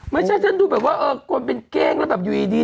ไม่ใช่ฉันดูแบบว่าคนเป็นเก้งแล้วแบบอยู่ดี